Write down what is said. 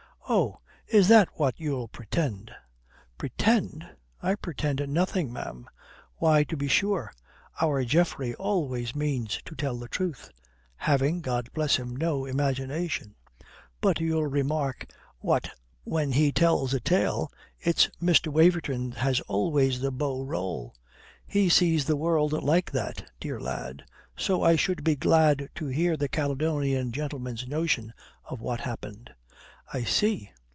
"Oh, is that what you'll pretend?" "Pretend? I pretend nothing, ma'am. Why, to be sure, our Geoffrey always means to tell the truth having, God bless him, no imagination. But you'll remark what when he tells a tale, it's Mr. Waverton has always the beau rôle. He sees the world like that, dear lad. So I should be glad to hear the Caledonian gentleman's notion of what happened." "I see.